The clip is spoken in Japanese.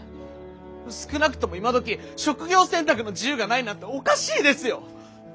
少なくとも今どき職業選択の自由がないなんておかしいですよ！